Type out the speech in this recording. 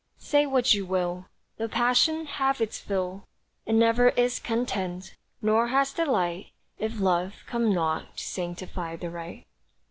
Say what you will, Though passion have its fill, It never is content, nor has delight, If love come not to sanctify the rite.